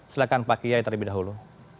silahkan pak kiai terlebih dahulu